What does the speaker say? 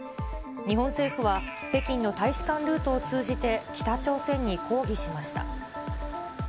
日本政府は、北京の大使館ルートを通じて、北朝鮮に抗議しました。